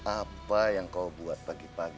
apa yang kau buat pagi pagi